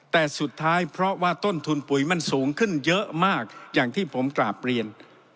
แต่สุดท้ายเพราะว่าต้นทุนปุ๋ยมันสูงขึ้นเยอะมากอย่างที่ผมกราบเรียน